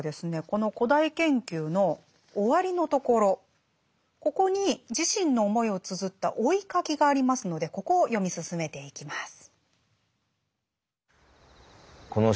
この「古代研究」の終わりのところここに自身の思いをつづった「追ひ書き」がありますのでここを読み進めていきます。